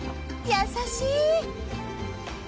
優しい！